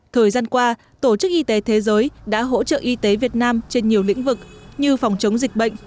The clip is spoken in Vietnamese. thời gian qua tổ chức y tế thế giới đã hỗ trợ y tế việt nam trên nhiều lĩnh vực như phòng chống dịch bệnh